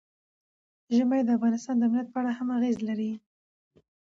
ژمی د افغانستان د امنیت په اړه هم اغېز لري.